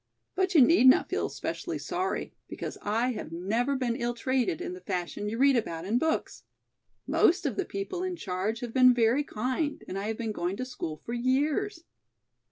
But you need not feel specially sorry, because I have never been ill treated in the fashion you read about in books. Most of the people in charge have been very kind and I have been going to school for years.